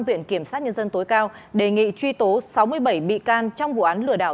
viện kiểm sát nhân dân tối cao đề nghị truy tố sáu mươi bảy bị can trong vụ án lừa đảo